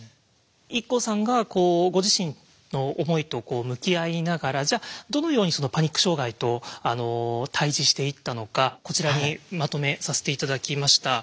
ＩＫＫＯさんがご自身の思いと向き合いながらじゃあどのようにそのパニック障害と対じしていったのかこちらにまとめさせて頂きました。